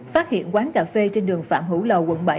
phát hiện quán cà phê trên đường phạm hữu lầu quận bảy